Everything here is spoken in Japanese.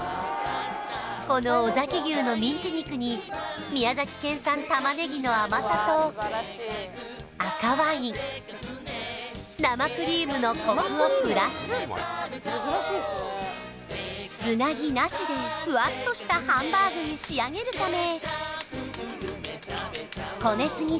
この尾崎牛のミンチ肉に宮崎県産玉ねぎの甘さと赤ワイン生クリームのコクをプラスつなぎなしでフワッとしたハンバーグに仕上げるためこねすぎずさっとまぜ